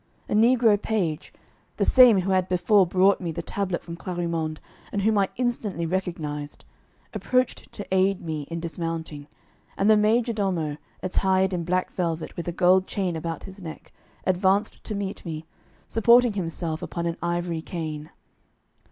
A negro page the same who had before brought me the tablet from Clarimonde, and whom I instantly recognised approached to aid me in dismounting, and the major domo, attired in black velvet with a gold chain about his neck, advanced to meet me, supporting himself upon an ivory cane.